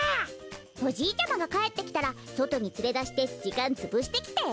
おじいちゃまがかえってきたらそとにつれだしてじかんつぶしてきて！